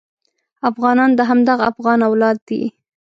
افغانان د همدغه افغان اولاد دي.